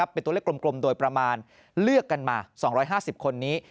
เป็นตัวเลขกลมโดยประมาณเลือกกันมา๒๕๐คนนี้